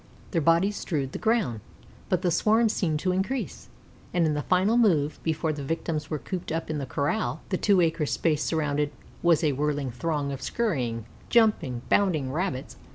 Their bodies strewed the ground, but the swarms seemed to increase; and in the final move, before the victims were cooped up in the corral, the two acre space surrounded was a whirling throng of skurrying, jumping, bounding Rabbits.